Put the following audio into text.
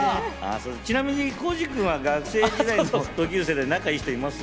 ちなみに浩次君は学生時代の同級生で仲のいい人います？